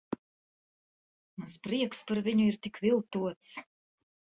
Mans prieks par viņu ir tik viltots.